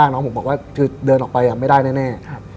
น้องผมบอกว่าคือเดินออกไปไม่ได้แน่